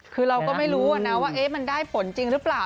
คือเราก็ไม่รู้นะว่ามันได้ผลจริงหรือเปล่า